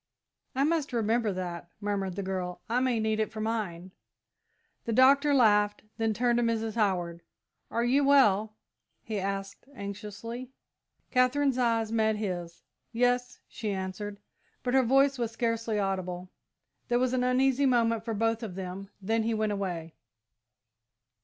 "I must remember that," murmured the girl. "I may need it for mine." The Doctor laughed, then turned to Mrs. Howard. "Are you well?" he asked anxiously. Katherine's eyes met his. "Yes," she answered, but her voice was scarcely audible. There was an uneasy moment for both of them, then he went away.